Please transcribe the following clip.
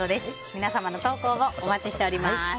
皆さんの投稿をお待ちしております。